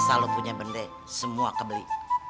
asal lo punya bende semua kebeli